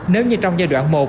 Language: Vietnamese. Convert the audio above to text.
nếu như trong giai đoạn một